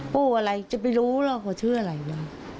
ปู่อะไรจะไปรู้แล้วเขาเชื่ออะไรวะ